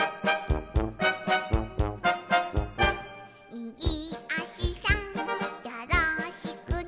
「みぎあしさんよろしくね」